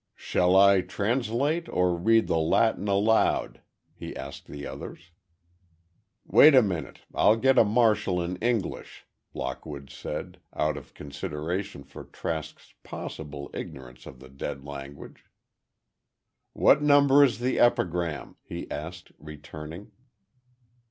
"Shall I translate, or read the Latin aloud?" he asked the others. "Wait a minute, I'll get a Martial in English," Lockwood said, out of consideration for Trask's possible ignorance of the dead language. "What number is the Epigram?" he asked, returning.